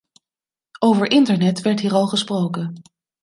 Over internet werd hier al gesproken.